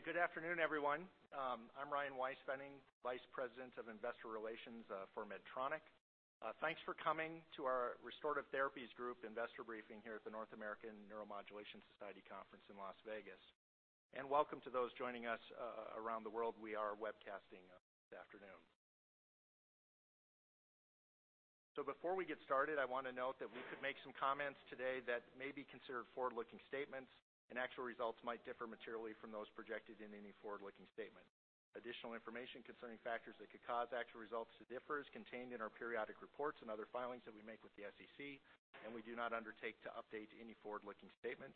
Okay, good afternoon, everyone. I'm Ryan Weispfenning, Vice President of Investor Relations for Medtronic. Thanks for coming to our Restorative Therapies Group investor briefing here at the North American Neuromodulation Society conference in Las Vegas. Welcome to those joining us around the world. We are webcasting this afternoon. Before we get started, I want to note that we could make some comments today that may be considered forward-looking statements, and actual results might differ materially from those projected in any forward-looking statement. Additional information concerning factors that could cause actual results to differ is contained in our periodic reports and other filings that we make with the SEC, and we do not undertake to update any forward-looking statement.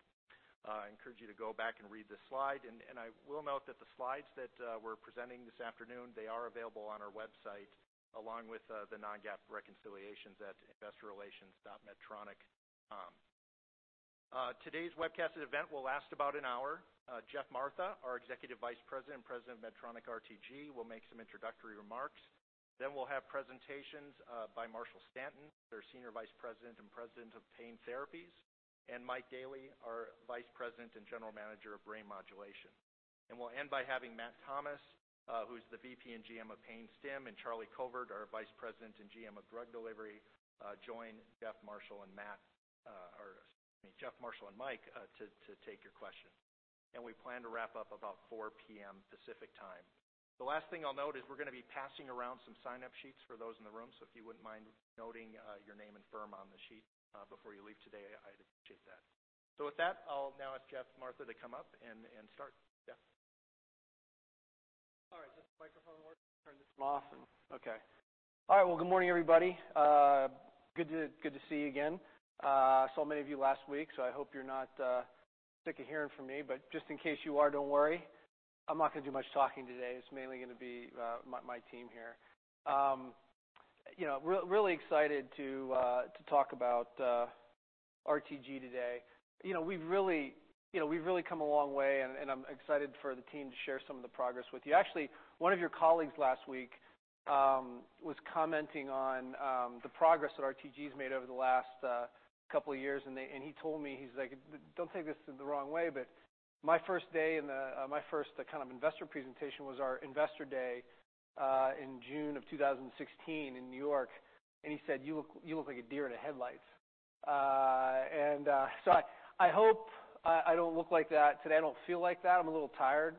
I encourage you to go back and read the slide. I will note that the slides that we're presenting this afternoon are available on our website, along with the non-GAAP reconciliations at investorrelations.medtronic.com. Today's webcasted event will last about an hour. Geoff Martha, our Executive Vice President and President of Medtronic RTG, will make some introductory remarks. We'll have presentations by Marshall Stanton, their Senior Vice President and President of Pain Therapies, and Mike Daly, our Vice President and General Manager of Brain Modulation. We'll end by having Matt Thomas, who's the VP and GM of Pain Stim, and Charlie Covert, our Vice President and GM of Drug Delivery, join Geoff, Marshall, and Mike to take your questions. We plan to wrap up about 4:00 P.M. Pacific Time. The last thing I'll note is we're going to be passing around some sign-up sheets for those in the room, so if you wouldn't mind noting your name and firm on the sheet before you leave today, I'd appreciate that. With that, I'll now ask Geoff Martha to come up and start. Geoff? All right. Does this microphone work? Turn this off. Okay. All right. Well, good morning, everybody. Good to see you again. I saw many of you last week, so I hope you're not sick of hearing from me, but just in case you are, don't worry. I'm not going to do much talking today. It's mainly going to be my team here. Really excited to talk about RTG today. We've really come a long way, and I'm excited for the team to share some of the progress with you. Actually, one of your colleagues last week was commenting on the progress that RTG has made over the last couple of years. He told me, he's like, "Don't take this the wrong way, but my first kind of investor presentation was our Investor Day in June of 2016 in New York." He said, "You looked like a deer in headlights." I hope I don't look like that today. I don't feel like that. I'm a little tired,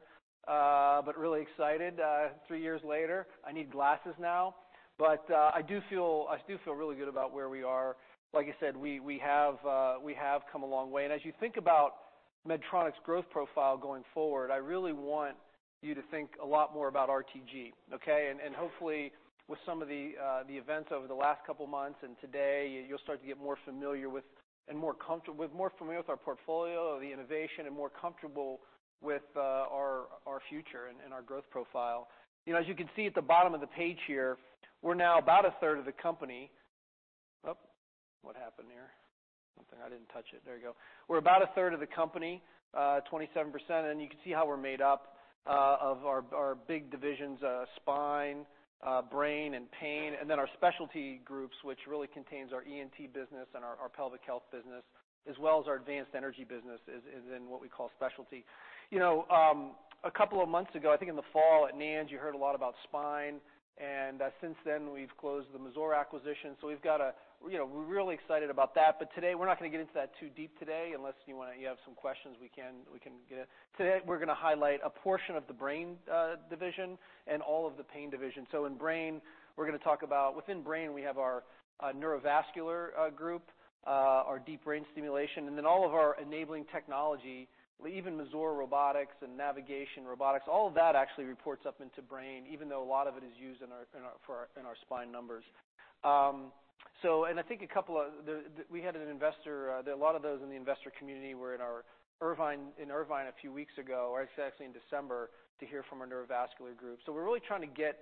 but really excited 3 years later. I need glasses now. I do feel really good about where we are. Like I said, we have come a long way. As you think about Medtronic's growth profile going forward, I really want you to think a lot more about RTG, okay? Hopefully with some of the events over the last couple of months and today, you'll start to get more familiar with our portfolio, the innovation, and more comfortable with our future and our growth profile. As you can see at the bottom of the page here, we're now about 1/3 of the company. What happened there? I didn't touch it. There we go. We're about 1/3 of the company, 27%. You can see how we're made up of our big divisions, Spine, Brain, and Pain, and then our Specialty groups, which really contains our ENT business and our pelvic health business, as well as our advanced energy business is in what we call Specialty. A couple of months ago, I think in the fall at NANS, you heard a lot about Spine. Since then we've closed the Mazor acquisition. We're really excited about that, but today we're not going to get into that too deep today unless you have some questions. Today we're going to highlight a portion of the Brain division and all of the Pain division. In Brain, we're going to talk about within Brain, we have our neurovascular group, our deep brain stimulation, and then all of our enabling technology, even Mazor Robotics and navigation robotics. All of that actually reports up into Brain, even though a lot of it is used in our Spine numbers. I think we had an investor, a lot of those in the investor community were in Irvine a few weeks ago, or actually in December, to hear from our neurovascular group. We're really trying to get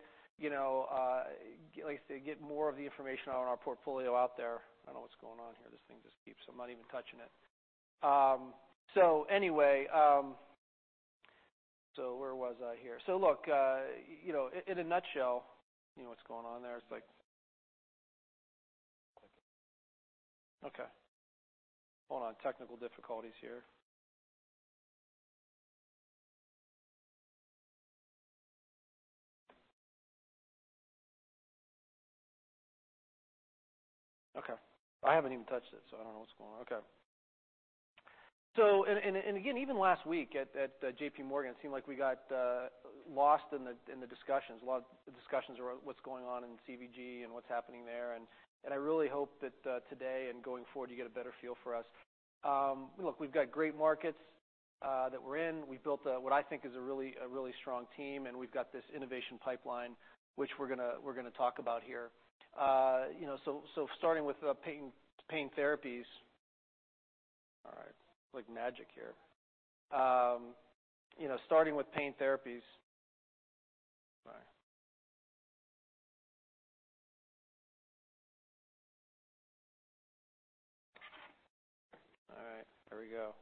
more of the information on our portfolio out there. I don't know what's going on here. This thing just keeps I'm not even touching it. Anyway. Where was I here? Look, in a nutshell What's going on there? It's like Okay. Hold on. Technical difficulties here. Okay. I haven't even touched it, so I don't know what's going on. Okay. Again, even last week at JP Morgan, it seemed like we got lost in the discussions. A lot of the discussions were what's going on in CVG and what's happening there. I really hope that today and going forward, you get a better feel for us. We've got great markets that we're in. We built what I think is a really strong team. We've got this innovation pipeline, which we're going to talk about here. Starting with Pain Therapies. Right. It's like magic here. Starting with Pain Therapies. Right. All right, here we go.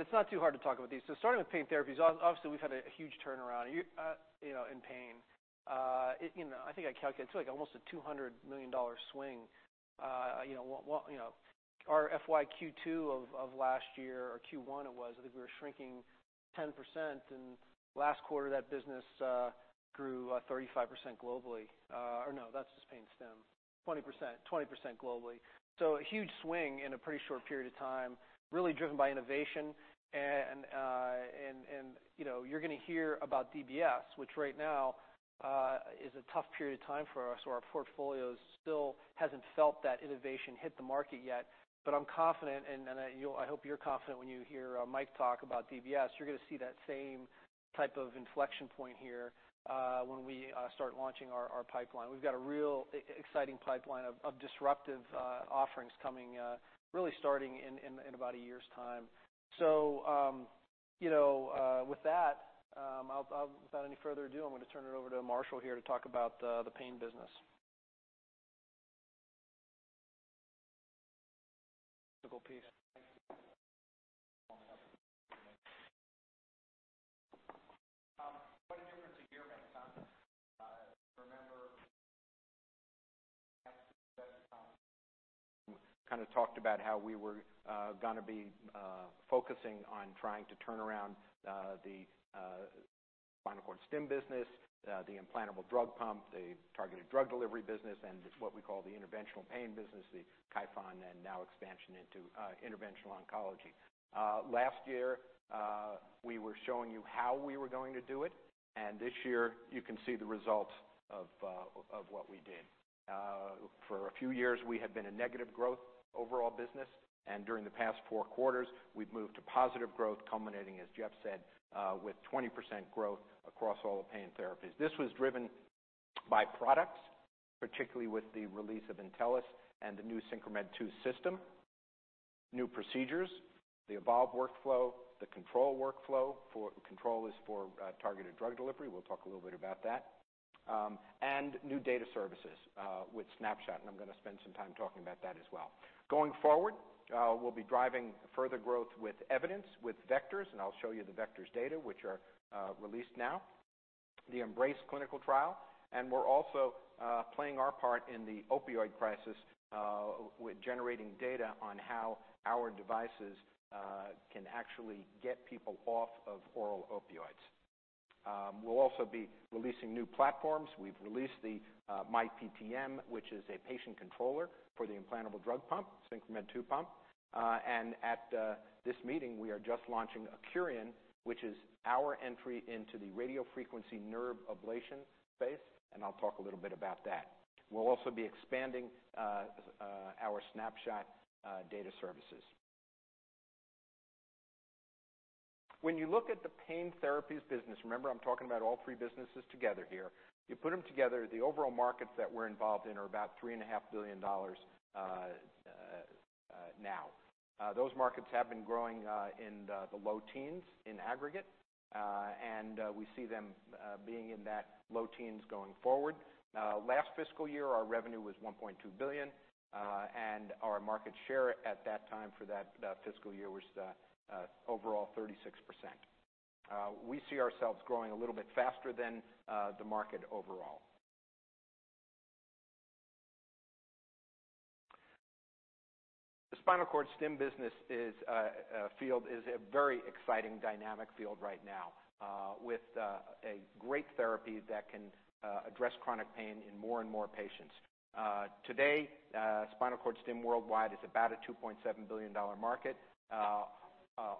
It's not too hard to talk about these. Starting with pain therapies, obviously, we've had a huge turnaround in pain. I think I calculated it's almost a $200 million swing. Our FY Q2 of last year, or Q1 it was, I think we were shrinking 10%, and last quarter, that business grew 35% globally. No, that's just pain stim. 20% globally. A huge swing in a pretty short period of time, really driven by innovation. You're going to hear about DBS, which right now is a tough period of time for us, so our portfolio still hasn't felt that innovation hit the market yet. I'm confident, and I hope you're confident when you hear Mike talk about DBS. You're going to see that same type of inflection point here when we start launching our pipeline. We've got a real exciting pipeline of disruptive offerings coming, really starting in about a year's time. With that, without any further ado, I'm going to turn it over to Marshall here to talk about the pain business. piece. What a difference a year makes, huh? Remember kind of talked about how we were going to be focusing on trying to turn around the spinal cord stim business, the implantable drug pump, the targeted drug delivery business, and what we call the interventional pain business, the Kyphon, and now expansion into interventional oncology. Last year, we were showing you how we were going to do it, and this year, you can see the results of what we did. For a few years, we had been a negative growth overall business, and during the past four quarters, we've moved to positive growth, culminating, as Geoff said, with 20% growth across all of pain therapies. This was driven by products, particularly with the release of Intellis and the new SynchroMed II system, new procedures, the Evolve workflow, the Control workflow. Control is for targeted drug delivery. We'll talk a little bit about that. New data services with Snapshot, and I'm going to spend some time talking about that as well. Going forward, we'll be driving further growth with evidence, with VECTORS, and I'll show you the VECTORS data, which are released now, the Embrace clinical trial, and we're also playing our part in the opioid crisis with generating data on how our devices can actually get people off of oral opioids. We'll also be releasing new platforms. We've released the myPTM, which is a patient controller for the implantable drug pump, SynchroMed II pump. At this meeting, we are just launching Accurian, which is our entry into the radiofrequency nerve ablation space, and I'll talk a little bit about that. We'll also be expanding our Snapshot data services. When you look at the pain therapies business, remember I'm talking about all three businesses together here, you put them together, the overall markets that we're involved in are about $3.5 billion now. Those markets have been growing in the low teens in aggregate, and we see them being in that low teens going forward. Last fiscal year, our revenue was $1.2 billion, and our market share at that time for that fiscal year was overall 36%. We see ourselves growing a little bit faster than the market overall. The spinal cord stim business field is a very exciting, dynamic field right now with a great therapy that can address chronic pain in more and more patients. Today, spinal cord stim worldwide is about a $2.7 billion market.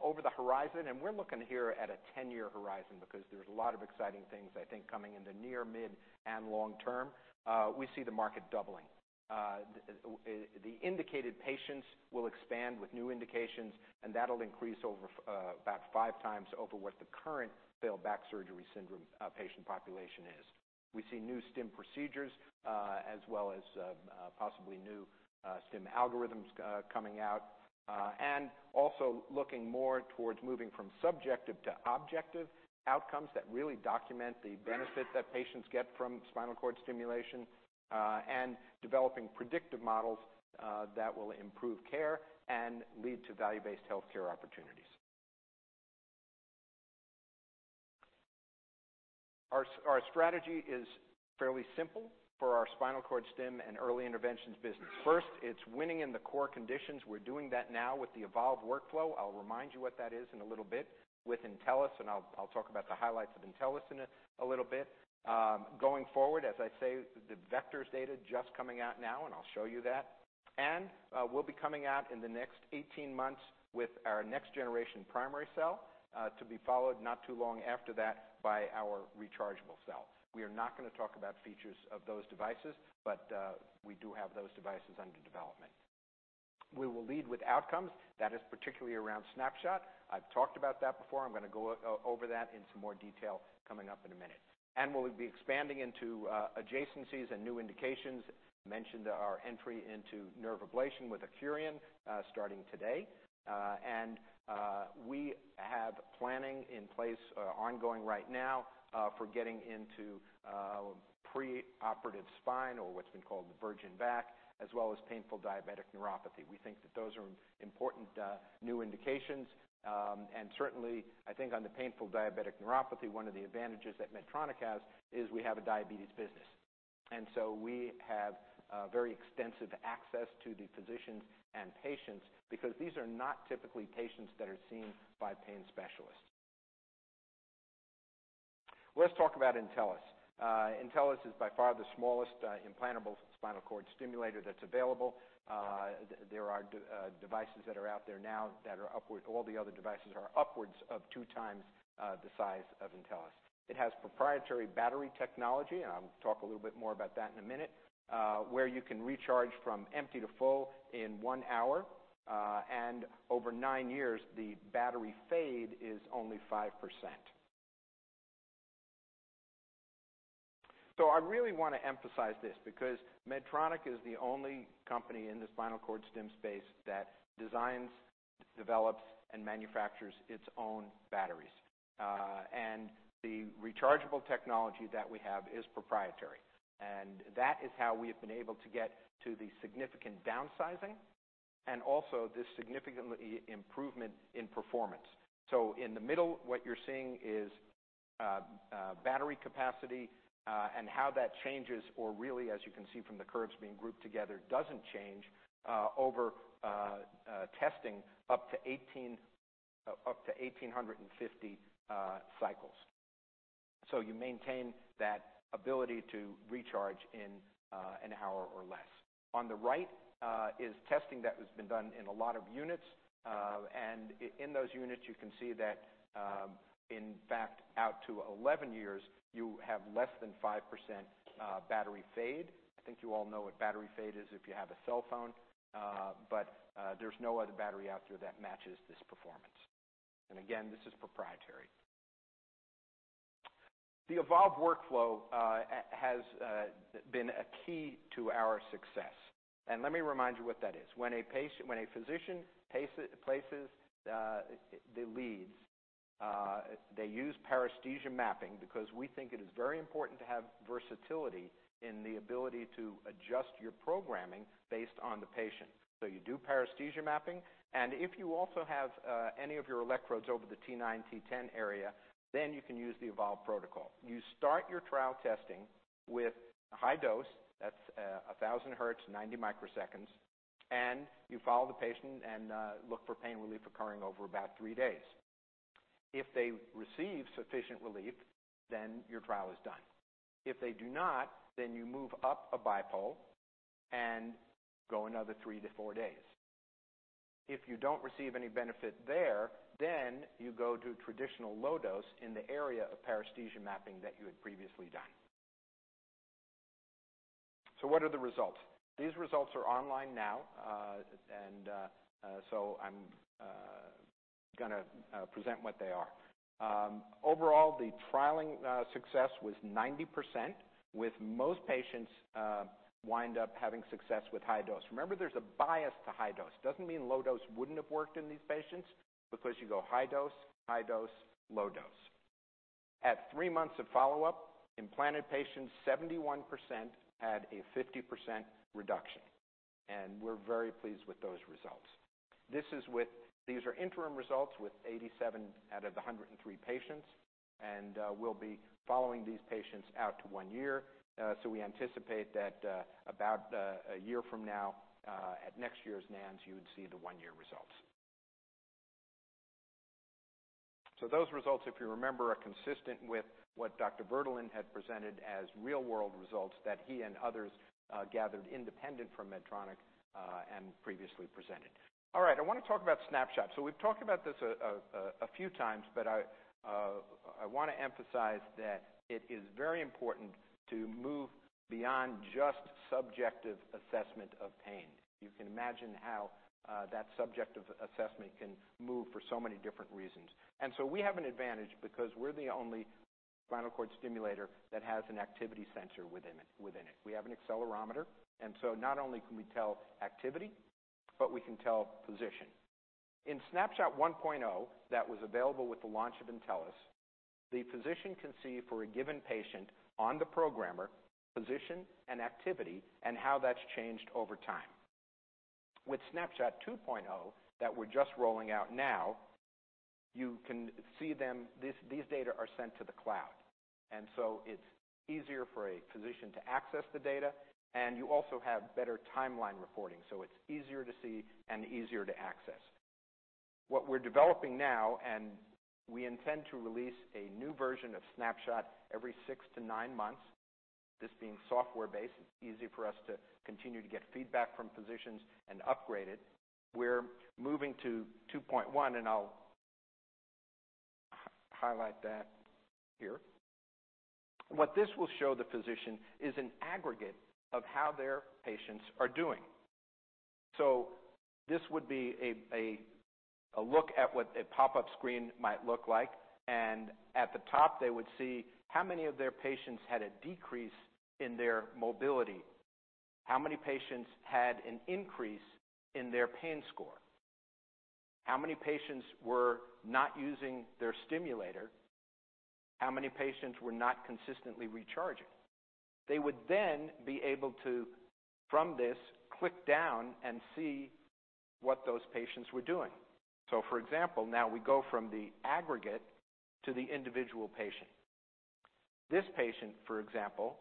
Over the horizon, we're looking here at a 10-year horizon because there's a lot of exciting things, I think, coming in the near, mid, and long term, we see the market doubling. The indicated patients will expand with new indications, and that'll increase over about 5 times over what the current failed back surgery syndrome patient population is. We see new stim procedures as well as possibly new stim algorithms coming out, and also looking more towards moving from subjective to objective outcomes that really document the benefit that patients get from spinal cord stimulation and developing predictive models that will improve care and lead to value-based healthcare opportunities. Our strategy is fairly simple for our spinal cord stim and early interventions business. First, it's winning in the core conditions. We're doing that now with the Evolve workflow. I'll remind you what that is in a little bit with Intellis, and I'll talk about the highlights of Intellis in a little bit. Going forward, as I say, the VECTORS data just coming out now, and I'll show you that. We'll be coming out in the next 18 months with our next-generation primary cell to be followed not too long after that by our rechargeable cell. We are not going to talk about features of those devices, but we do have those devices under development. We will lead with outcomes. That is particularly around Snapshot. I've talked about that before. I'm going to go over that in some more detail coming up in a minute. We'll be expanding into adjacencies and new indications. I mentioned our entry into nerve ablation with Accurian starting today. We have planning in place ongoing right now for getting into pre-operative spine or what's been called the virgin back, as well as painful diabetic neuropathy. We think that those are important new indications. Certainly, I think on the painful diabetic neuropathy, one of the advantages that Medtronic has is we have a diabetes business. So we have very extensive access to the physicians and patients because these are not typically patients that are seen by pain specialists. Let's talk about Intellis. Intellis is by far the smallest implantable spinal cord stimulator that's available. There are devices that are out there now. All the other devices are upwards of 2 times the size of Intellis. It has proprietary battery technology, and I'll talk a little bit more about that in a minute, where you can recharge from empty to full in one hour. Over nine years, the battery fade is only 5%. I really want to emphasize this because Medtronic is the only company in the spinal cord stim space that designs, develops, and manufactures its own batteries. The rechargeable technology that we have is proprietary. That is how we have been able to get to the significant downsizing and also the significant improvement in performance. In the middle, what you're seeing is battery capacity and how that changes, or really, as you can see from the curves being grouped together, doesn't change over testing up to 1,850 cycles. You maintain that ability to recharge in an hour or less. On the right is testing that has been done in a lot of units. In those units, you can see that, in fact, out to 11 years, you have less than 5% battery fade. I think you all know what battery fade is if you have a cellphone. There's no other battery out there that matches this performance. Again, this is proprietary. The Evolve workflow has been a key to our success. Let me remind you what that is. When a physician places the leads, they use paresthesia mapping because we think it is very important to have versatility in the ability to adjust your programming based on the patient. You do paresthesia mapping, and if you also have any of your electrodes over the T9, T10 area, you can use the Evolve protocol. You start your trial testing with a high dose. That's 1,000 hertz, 90 microseconds. You follow the patient and look for pain relief occurring over about three days. If they receive sufficient relief, your trial is done. If they do not, you move up a bipole and go another three to four days. If you don't receive any benefit there, you go to traditional low dose in the area of paresthesia mapping that you had previously done. What are the results? These results are online now. I'm going to present what they are. Overall, the trialing success was 90%, with most patients wind up having success with high dose. Remember, there's a bias to high dose. Doesn't mean low dose wouldn't have worked in these patients because you go high dose, high dose, low dose. At three months of follow-up, implanted patients, 71% had a 50% reduction. We're very pleased with those results. These are interim results with 87 out of 103 patients, and we'll be following these patients out to one year. We anticipate that about a year from now, at next year's NANS, you would see the one-year results. Those results, if you remember, are consistent with what Dr. Bertolini had presented as real-world results that he and others gathered independent from Medtronic and previously presented. All right. I want to talk about Snapshot. We've talked about this a few times, but I want to emphasize that it is very important to move beyond just subjective assessment of pain. You can imagine how that subjective assessment can move for so many different reasons. We have an advantage because we're the only spinal cord stimulator that has an activity sensor within it. We have an accelerometer, not only can we tell activity, but we can tell position. In Snapshot 1.0 that was available with the launch of Intellis, the physician can see for a given patient on the programmer, position and activity and how that's changed over time. With Snapshot 2.0 that we're just rolling out now, you can see these data are sent to the cloud. It's easier for a physician to access the data, and you also have better timeline reporting. It's easier to see and easier to access. What we're developing now, we intend to release a new version of Snapshot every six to nine months. This being software-based, it's easy for us to continue to get feedback from physicians and upgrade it. We're moving to 2.1, and I'll highlight that here. What this will show the physician is an aggregate of how their patients are doing. This would be a look at what a pop-up screen might look like. At the top, they would see how many of their patients had a decrease in their mobility. How many patients had an increase in their pain score? How many patients were not using their stimulator? How many patients were not consistently recharging? They would then be able to, from this, click down and see what those patients were doing. For example, now we go from the aggregate to the individual patient. This patient, for example,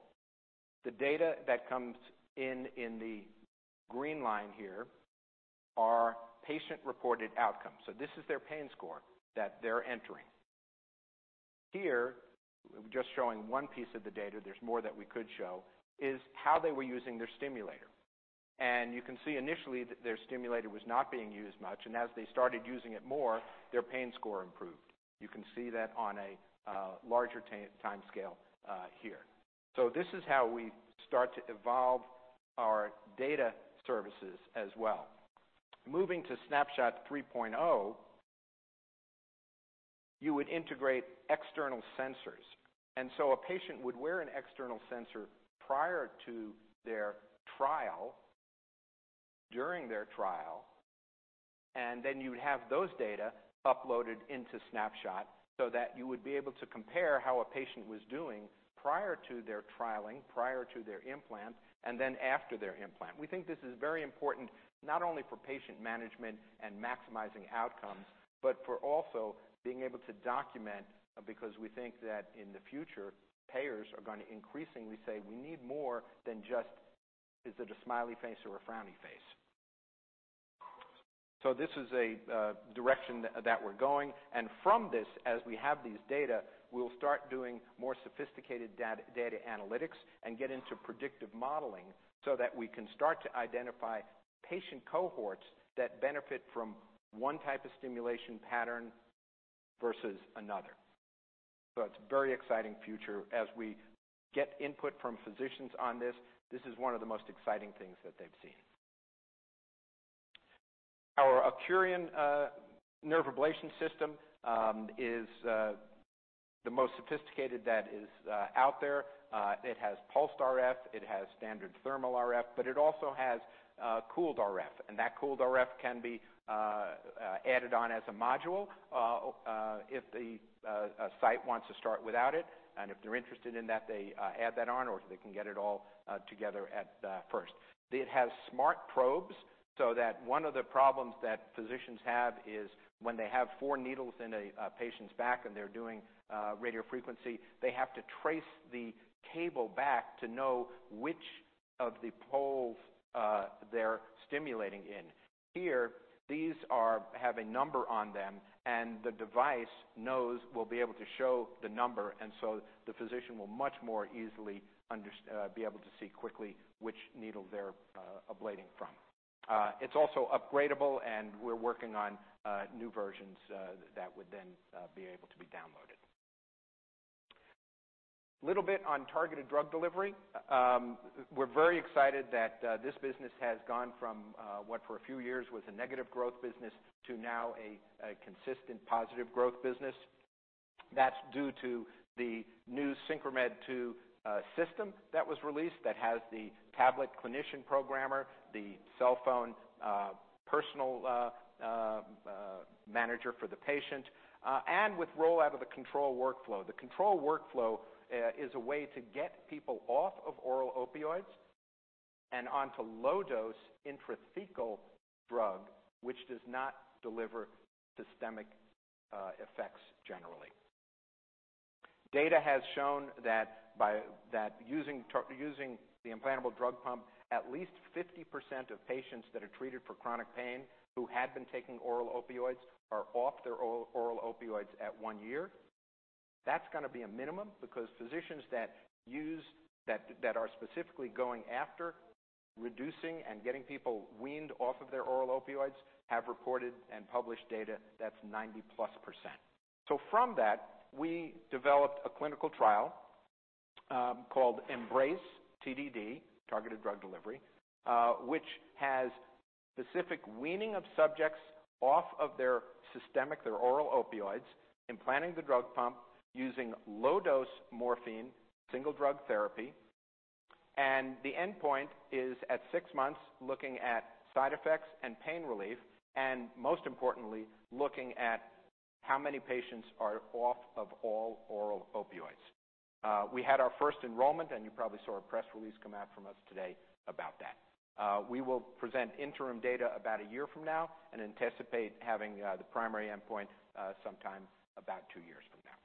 the data that comes in the green line here are patient-reported outcomes. This is their pain score that they're entering. Here, just showing one piece of the data, there's more that we could show, is how they were using their stimulator. You can see initially that their stimulator was not being used much, and as they started using it more, their pain score improved. You can see that on a larger timescale here. This is how we start to evolve our data services as well. Moving to Snapshot 3.0, you would integrate external sensors. A patient would wear an external sensor prior to their trial, during their trial, and then you would have those data uploaded into Snapshot so that you would be able to compare how a patient was doing prior to their trialing, prior to their implant, and then after their implant. We think this is very important not only for patient management and maximizing outcomes, but for also being able to document, because we think that in the future, payers are going to increasingly say, "We need more than just, is it a smiley face or a frowny face?" This is a direction that we're going, and from this, as we have these data, we'll start doing more sophisticated data analytics and get into predictive modeling so that we can start to identify patient cohorts that benefit from one type of stimulation pattern versus another. It's a very exciting future as we get input from physicians on this. This is one of the most exciting things that they've seen. Our Accurian nerve ablation system is the most sophisticated that is out there. It has pulsed RF, it has standard thermal RF, but it also has cooled RF, and that cooled RF can be added on as a module if the site wants to start without it, and if they're interested in that, they add that on, or they can get it all together at first. It has smart probes so that one of the problems that physicians have is when they have four needles in a patient's back and they're doing radiofrequency, they have to trace the cable back to know which of the poles they're stimulating in. Here, these have a number on them, and the device will be able to show the number, and so the physician will much more easily be able to see quickly which needle they're ablating from. It's also upgradable, and we're working on new versions that would then be able to be downloaded. Little bit on targeted drug delivery. We're very excited that this business has gone from what for a few years was a negative growth business to now a consistent positive growth business. That's due to the new SynchroMed II system that was released that has the tablet clinician programmer, the cell phone personal manager for the patient, and with rollout of the Control workflow. The Control workflow is a way to get people off of oral opioids and onto low-dose intrathecal drug, which does not deliver systemic effects generally. Data has shown that by using the implantable drug pump, at least 50% of patients that are treated for chronic pain who had been taking oral opioids are off their oral opioids at one year. That's going to be a minimum because physicians that are specifically going after reducing and getting people weaned off of their oral opioids have reported and published data that's 90-plus%. From that, we developed a clinical trial called Embrace TDD, targeted drug delivery, which has specific weaning of subjects off of their systemic, their oral opioids, implanting the drug pump using low-dose morphine, single-drug therapy. The endpoint is at six months, looking at side effects and pain relief, and most importantly, looking at how many patients are off of all oral opioids. We had our first enrollment, and you probably saw a press release come out from us today about that. We will present interim data about a year from now and anticipate having the primary endpoint sometime about two years from now.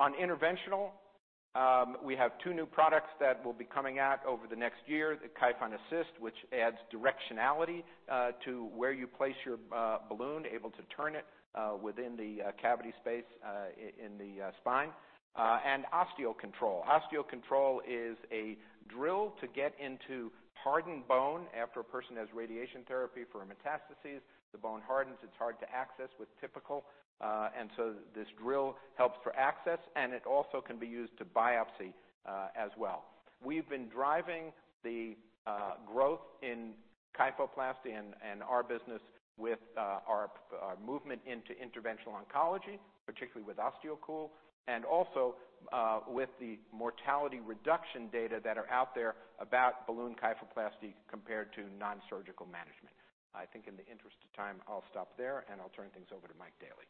On interventional, we have two new products that will be coming out over the next year. The Kyphon Assist, which adds directionality to where you place your balloon, able to turn it within the cavity space in the spine. OsteoCool. OsteoCool is a drill to get into hardened bone after a person has radiation therapy for metastases. The bone hardens. It's hard to access with typical, and so this drill helps for access, and it also can be used to biopsy as well. We've been driving the growth in kyphoplasty and our business with our movement into interventional oncology, particularly with OsteoCool, and also with the mortality reduction data that are out there about balloon kyphoplasty compared to non-surgical management. I think in the interest of time, I'll stop there, and I'll turn things over to Mike Daly.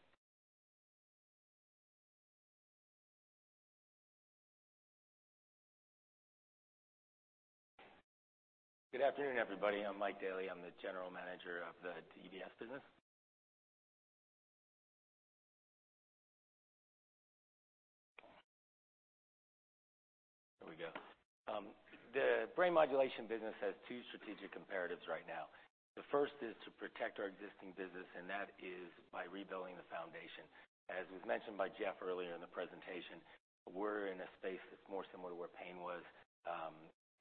Good afternoon, everybody. I'm Mike Daly. I'm the General Manager of the DBS business. There we go. The brain modulation business has two strategic imperatives right now. The first is to protect our existing business, and that is by rebuilding the foundation. As was mentioned by Geoff earlier in the presentation, we're in a space that's more similar to where pain was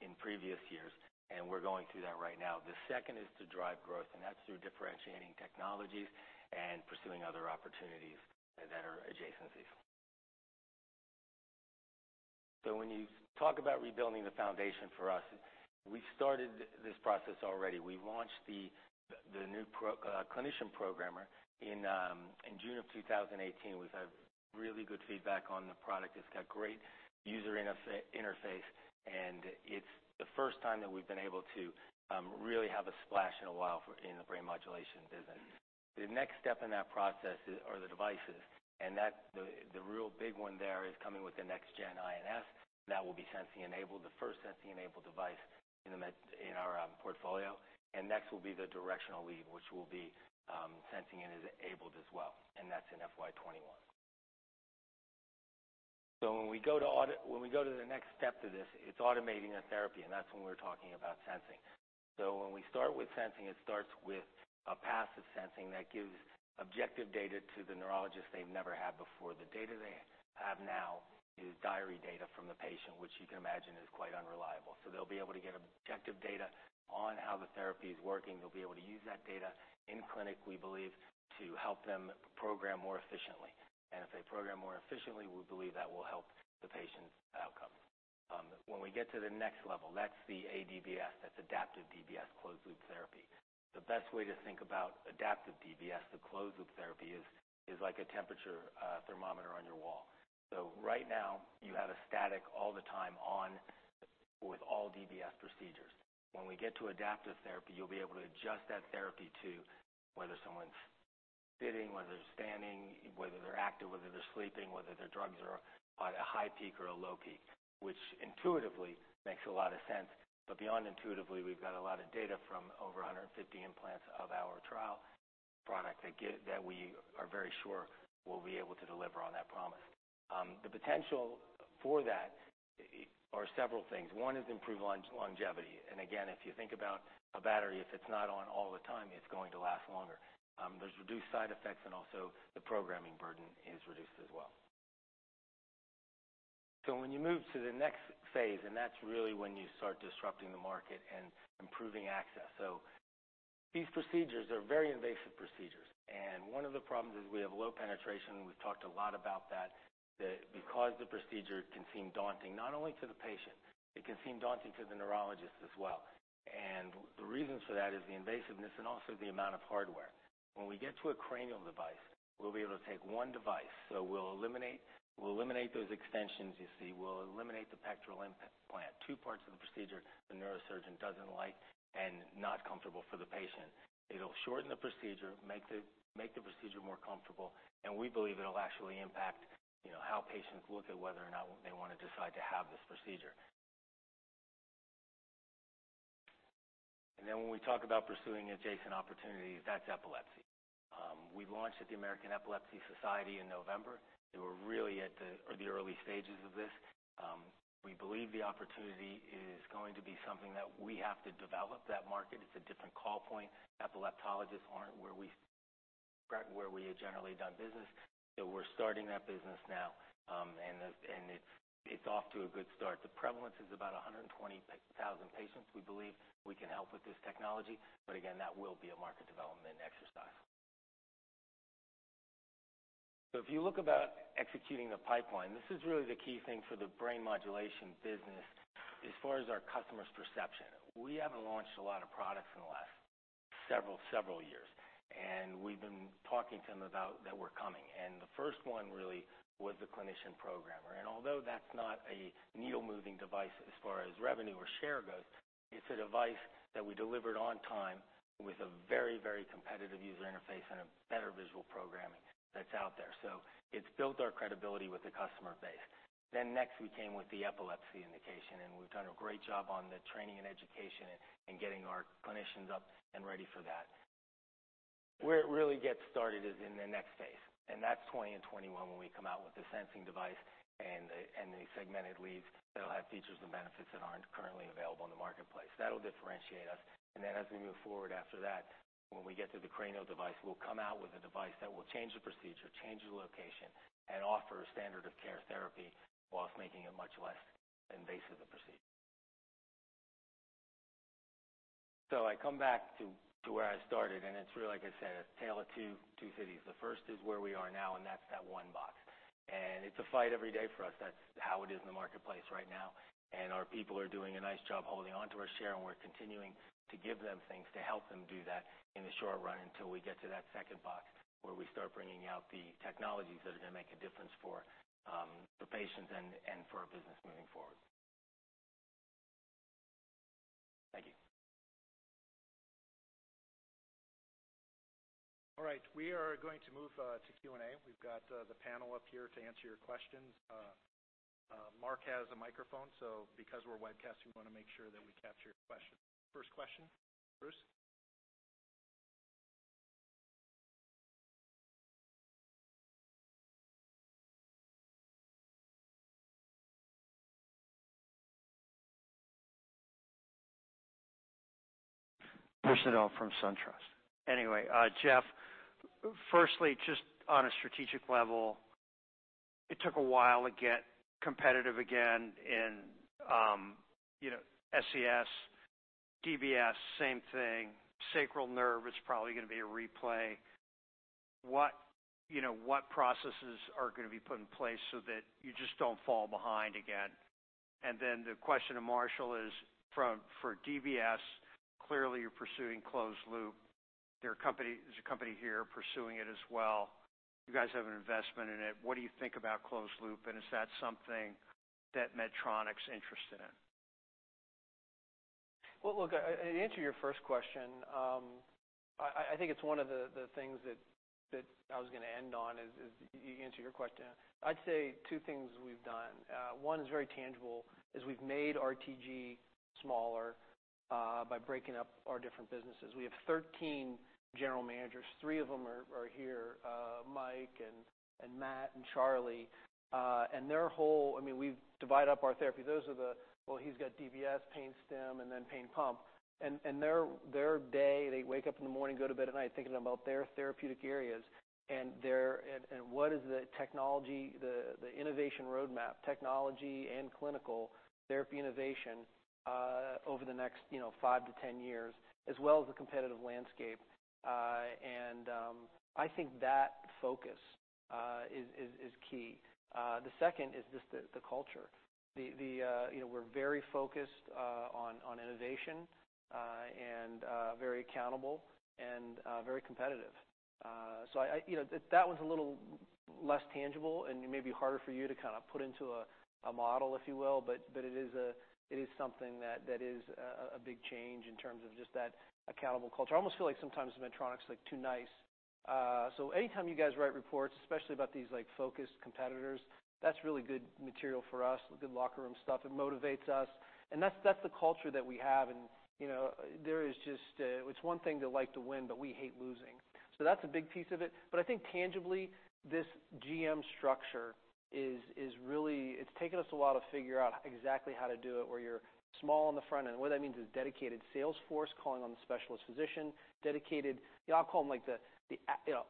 in previous years, and we're going through that right now. The second is to drive growth, and that's through differentiating technologies and pursuing other opportunities that are adjacencies. When you talk about rebuilding the foundation for us, we started this process already. We launched the new clinician programmer in June of 2018. We've had really good feedback on the product. It's got great user interface, and it's the first time that we've been able to really have a splash in a while in the brain modulation business. The next step in that process are the devices, and the real big one there is coming with the next gen INS. That will be sensing-enabled, the first sensing-enabled device in our portfolio. Next will be the directional lead, which will be sensing-enabled as well, and that's in FY 2021. When we go to the next step to this, it's automating the therapy, and that's when we're talking about sensing. When we start with sensing, it starts with a passive sensing that gives objective data to the neurologist they've never had before. The data they have now is diary data from the patient, which you can imagine is quite unreliable. They'll be able to get objective data on how the therapy is working. They'll be able to use that data in clinic, we believe, to help them program more efficiently. If they program more efficiently, we believe that will help the patients' outcomes. When we get to the next level, that's the aDBS, that's adaptive DBS closed loop therapy. The best way to think about adaptive DBS, the closed loop therapy, is like a temperature thermometer on your wall. Right now, you have a static all the time on with all DBS procedures. When we get to adaptive therapy, you'll be able to adjust that therapy to whether someone's sitting, whether they're standing, whether they're active, whether they're sleeping, whether their drugs are at a high peak or a low peak, which intuitively makes a lot of sense. Beyond intuitively, we've got a lot of data from over 150 implants of our trial product that we are very sure will be able to deliver on that promise. The potential for that are several things. One is improved longevity. Again, if you think about a battery, if it's not on all the time, it's going to last longer. There's reduced side effects, and also the programming burden is reduced as well. When you move to the next phase, and that's really when you start disrupting the market and improving access. These procedures are very invasive procedures, and one of the problems is we have low penetration. We've talked a lot about that because the procedure can seem daunting, not only to the patient, it can seem daunting to the neurologist as well. The reasons for that is the invasiveness and also the amount of hardware. When we get to a cranial device, we'll be able to take one device. We'll eliminate those extensions you see. We'll eliminate the pectoral implant, two parts of the procedure the neurosurgeon doesn't like, and not comfortable for the patient. It'll shorten the procedure, make the procedure more comfortable, and we believe it'll actually impact how patients look at whether or not they want to decide to have this procedure. When we talk about pursuing adjacent opportunities, that's epilepsy. We launched at the American Epilepsy Society in November. We're really at the early stages of this. We believe the opportunity is going to be something that we have to develop that market. It's a different call point. Epileptologists aren't where we have generally done business. We're starting that business now, and it's off to a good start. The prevalence is about 120,000 patients we believe we can help with this technology. Again, that will be a market development exercise. If you look about executing the pipeline, this is really the key thing for the brain modulation business as far as our customers' perception. We haven't launched a lot of products in the last several years, and we've been talking to them about that we're coming. The first one really was the clinician programmer. Although that's not a needle-moving device as far as revenue or share goes, it's a device that we delivered on time with a very competitive user interface and a better visual programming that's out there. It's built our credibility with the customer base. Next we came with the epilepsy indication, and we've done a great job on the training and education and getting our clinicians up and ready for that. Where it really gets started is in the next phase, that's 2020 and 2021 when we come out with the sensing device and the segmented leads that'll have features and benefits that aren't currently available in the marketplace. That'll differentiate us. As we move forward after that, when we get to the cranial device, we'll come out with a device that will change the procedure, change the location, and offer a standard of care therapy whilst making it much less invasive a procedure. I come back to where I started, and it's really, like I said, a tale of two cities. The first is where we are now, and that's that one box. It's a fight every day for us. That's how it is in the marketplace right now. Our people are doing a nice job holding onto our share, and we're continuing to give them things to help them do that in the short run until we get to that second box where we start bringing out the technologies that are going to make a difference for patients and for our business moving forward. Thank you. We are going to move to Q&A. We've got the panel up here to answer your questions. Mark has a microphone, so because we're webcasting, we want to make sure that we capture your question. First question, Bruce? Bruce Nadel from SunTrust. Anyway, Geoff, firstly, just on a strategic level, it took a while to get competitive again in SCS. DBS, same thing. Sacral nerve is probably going to be a replay. What processes are going to be put in place so that you just don't fall behind again? The question to Marshall is for DBS, clearly you're pursuing closed loop. There's a company here pursuing it as well. You guys have an investment in it. What do you think about closed loop, and is that something that Medtronic's interested in? Look, to answer your first question, I think it's one of the things that I was going to end on is you answer your question. I'd say two things we've done. One is very tangible, is we've made RTG smaller by breaking up our different businesses. We have 13 general managers. Three of them are here, Mike and Matt and Charlie. He's got DBS, pain stim, and then pain pump. Their day, they wake up in the morning, go to bed at night thinking about their therapeutic areas and what is the technology, the innovation roadmap, technology and clinical therapy innovation over the next five to 10 years, as well as the competitive landscape. I think that focus is key. The second is just the culture. We're very focused on innovation and very accountable and very competitive. That was a little less tangible and it may be harder for you to put into a model, if you will. It is something that is a big change in terms of just that accountable culture. I almost feel like sometimes Medtronic's too nice. Anytime you guys write reports, especially about these focused competitors, that's really good material for us, good locker room stuff. It motivates us, and that's the culture that we have. It's one thing to like to win, we hate losing. That's a big piece of it. I think tangibly, this GM structure is really, it's taken us a while to figure out exactly how to do it, where you're small on the front end. What that means is dedicated sales force calling on the specialist physician, dedicated, I'll call them the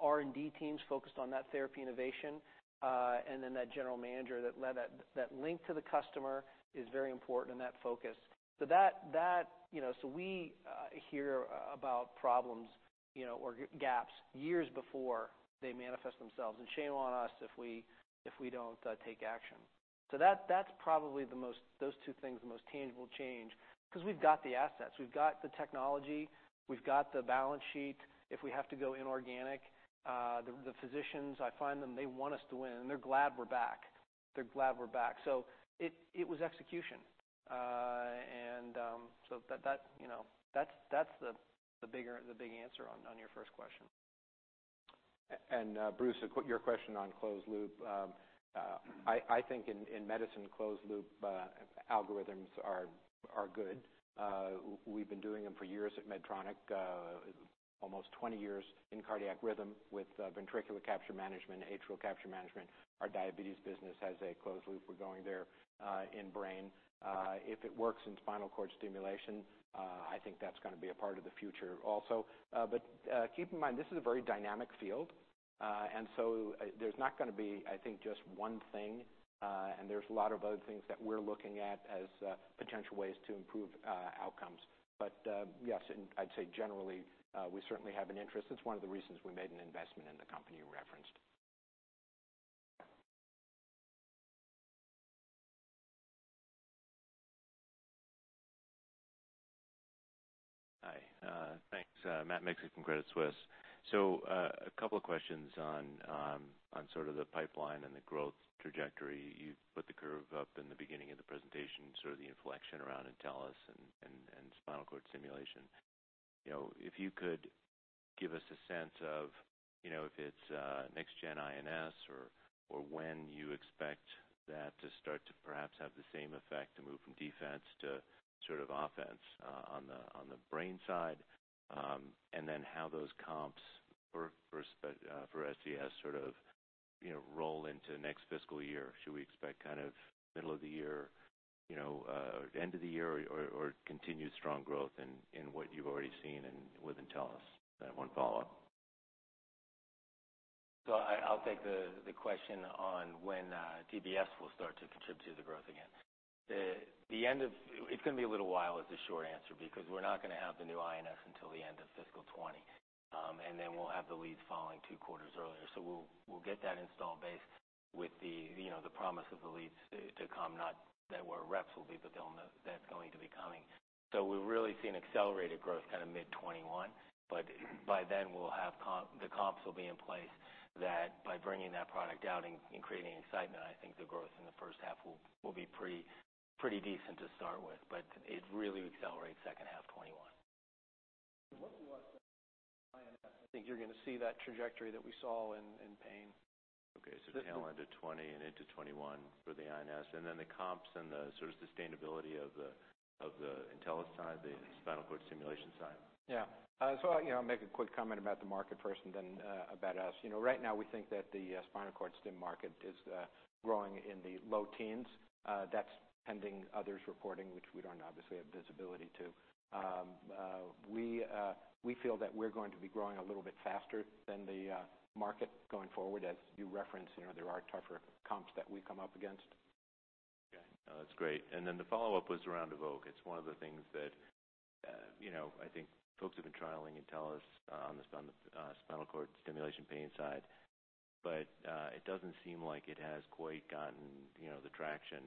R&D teams focused on that therapy innovation. That general manager that link to the customer is very important and that focus. We hear about problems or gaps years before they manifest themselves, and shame on us if we don't take action. That's probably those two things, the most tangible change, because we've got the assets, we've got the technology, we've got the balance sheet. If we have to go inorganic, the physicians, I find them, they want us to win, and they're glad we're back. They're glad we're back. It was execution. That's the big answer on your first question. Bruce, your question on closed loop. I think in medicine, closed loop algorithms are good. We've been doing them for years at Medtronic, almost 20 years in cardiac rhythm with ventricular capture management, atrial capture management. Our diabetes business has a closed loop. We're going there in brain. If it works in spinal cord stimulation, I think that's going to be a part of the future also. Keep in mind, this is a very dynamic field. There's not going to be, I think, just one thing. There's a lot of other things that we're looking at as potential ways to improve outcomes. Yes, I'd say generally we certainly have an interest. It's one of the reasons we made an investment in the company you referenced. Hi. Thanks. Matt Miksic from Credit Suisse. A couple of questions on sort of the pipeline and the growth trajectory. You put the curve up in the beginning of the presentation, sort of the inflection around Intellis and spinal cord stimulation. If you could give us a sense of if it's next gen INS or when you expect that to start to perhaps have the same effect, to move from defense to sort of offense on the brain side, then how those comps for SCS sort of roll into next fiscal year. Should we expect kind of middle of the year or end of the year or continued strong growth in what you've already seen and with Intellis? I have one follow-up. I'll take the question on when DBS will start to contribute to the growth again. It's going to be a little while is the short answer, because we're not going to have the new INS until the end of fiscal 2020. We'll have the leads following two quarters earlier. We'll get that installed base with the promise of the leads to come, not there where reps will be, but they'll know that's going to be coming. We'll really see an accelerated growth kind of mid 2021. By then the comps will be in- By bringing that product out and creating excitement, I think the growth in the first half will be pretty decent to start with, but it really accelerates second half 2021. What do you want to say about INS? I think you're going to see that trajectory that we saw in pain. Okay, tail into 2020 and into 2021 for the INS, and then the comps and the sort of sustainability of the Intellis side, the spinal cord stimulation side. Yeah. I'll make a quick comment about the market first and then about us. Right now, we think that the spinal cord stim market is growing in the low teens. That's pending others reporting, which we don't obviously have visibility to. We feel that we're going to be growing a little bit faster than the market going forward. As you referenced, there are tougher comps that we come up against. Okay. No, that's great. The follow-up was around Evolve. It's one of the things that I think folks have been trialing Intellis on the spinal cord stimulation pain side. It doesn't seem like it has quite gotten the traction,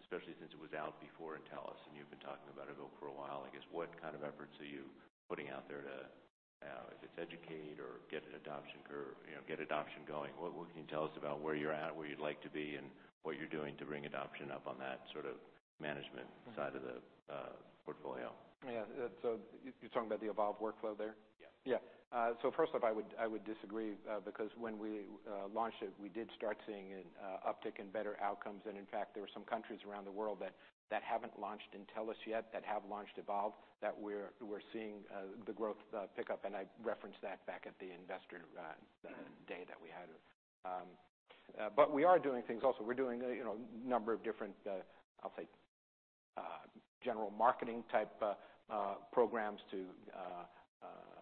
especially since it was out before Intellis, and you've been talking about Evolve for a while, I guess. What kind of efforts are you putting out there to, if it's educate or get an adoption curve, get adoption going? What can you tell us about where you're at, where you'd like to be, and what you're doing to bring adoption up on that sort of management side of the portfolio? Yeah. You're talking about the Evolve workflow there? Yeah. Yeah. First off, I would disagree because when we launched it, we did start seeing an uptick in better outcomes, and in fact, there were some countries around the world that haven't launched Intellis yet, that have launched Evolve, that we're seeing the growth pick up. I referenced that back at the Investor Day that we had. We are doing things also. We're doing a number of different, I'll say general marketing type programs to increase